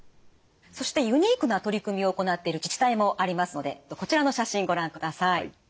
そしてユニークな取り組みを行っている自治体もありますのでこちらの写真ご覧ください。